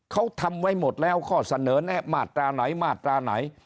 เขาทำไว้หมดแล้วข้อเสนอแนะมาตราไหนมาตราไหน